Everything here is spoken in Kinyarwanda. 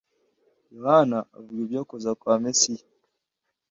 Yohana avuga ibyo kuza kwa Mesiya